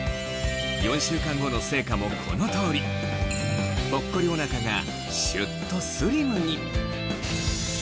４週間後の成果もこの通りぽっこりお腹がシュっとスリムに！